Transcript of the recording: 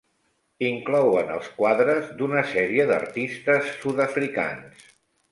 Inclouen els quadres d'una sèrie d'artistes sud-africans.